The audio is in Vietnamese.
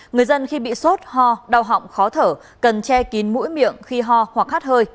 người dân khi bị sốt ho đau họng khó thở cần che kín mũi miệng khi ho hoặc hát hơi